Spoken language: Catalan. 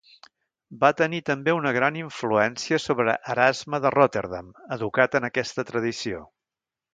Va tenir també una gran influència sobre Erasme de Rotterdam, educat en aquesta tradició.